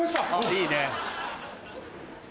いいね。